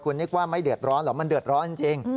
คุณนึกว่าไม่เดือดร้อนเหรอมันเดือดร้อนจริง